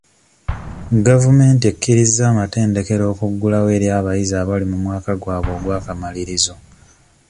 Gavumenti ekkirizza amatendekero okuggulawo eri abayizi abali mu mwaka gwabwe ogw'akamalirizo.